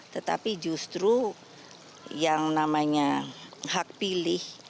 tetapi justru yang namanya hak pilih